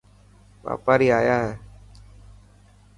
واپاري آيا هي.